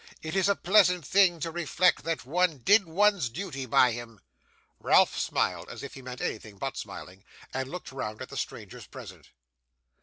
It is a pleasant thing to reflect that one did one's duty by him.' Ralph smiled, as if he meant anything but smiling, and looked round at the strangers present.